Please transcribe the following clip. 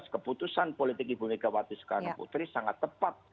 keputusan politik ibu megawati soekarno putri sangat tepat